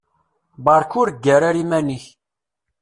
Beṛka ur ggar ara iman-ik.